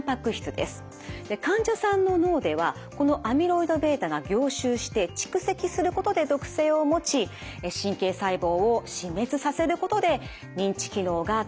患者さんの脳ではこのアミロイドβが凝集して蓄積することで毒性を持ち神経細胞を死滅させることで認知機能が低下すると考えられています。